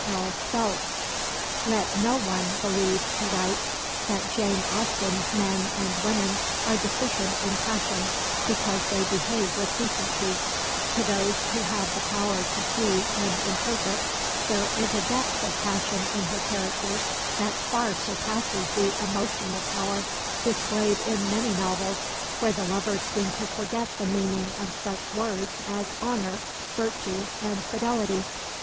L. Phelps. "Let no one believe," he writes, "that Jane Austen's men and women are deficient in passion because they behave with decency: to those who have the power to see and interpret, there is a depth of passion in her characters that far surpasses the emotional power displayed in many novels where the lovers seem to forget the meaning of such words as honour, virtue, and fidelity."